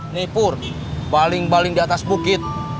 nih pur baling baling di atas bukit